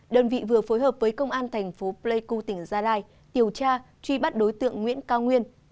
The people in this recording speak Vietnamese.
đơn vị vừa phối hợp với công an thành phố pleiku tỉnh gia lai điều tra truy bắt đối tượng nguyễn cao nguyên